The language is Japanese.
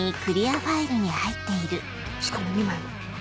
しかも２枚も。